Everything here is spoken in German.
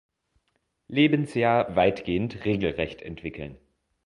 Lebensjahr weitgehend regelgerecht entwickeln.